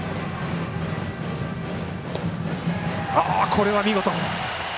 これは見事！